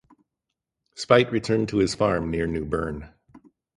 Spaight retired to his farm near New Bern.